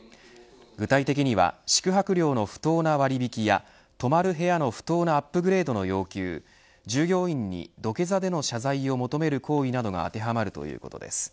具体的には宿泊料の不当な割引や泊まる部屋の不当なアップグレードの要求従業員に土下座での謝罪を求める行為などが当てはまるということです。